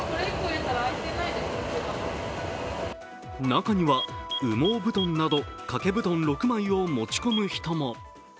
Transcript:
中には、羽毛布団など掛け布団６枚を持ち込む人も。